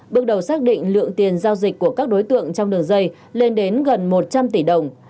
bước đầu xác định lượng tiền giao dịch của các đối tượng trong đường dây lên đến gần một trăm linh tỷ đồng